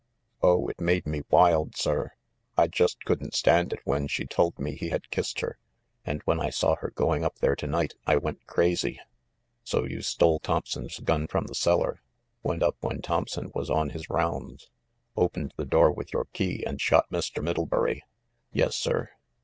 "Oh, it made me wild, sir! I just couldn't stand it when she told me he had kissed her, and when I saw her going up there to night I went crazy." "So you stole Thompson's gun from the cellar, went up when Thompson was on his rounds, opened the door with your key, and shot Mr. Middlebury?" "Yes, sir